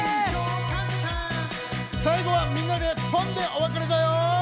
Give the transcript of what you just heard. さいごはみんなでポンでおわかれだよ！